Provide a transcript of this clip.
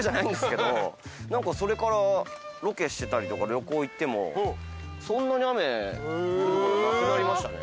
何かそれからロケしてたりとか旅行行ってもそんなに雨降ることなくなりましたね。